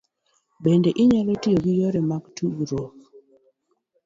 Bende, inyalo tiyo gi yore mag tudruok e